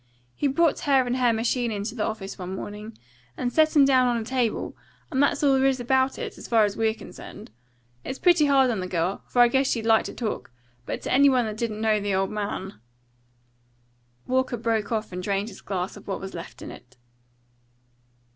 He brought her and her machine into the office one morning, and set 'em down at a table, and that's all there is about it, as far as we're concerned. It's pretty hard on the girl, for I guess she'd like to talk; and to any one that didn't know the old man " Walker broke off and drained his glass of what was left in it.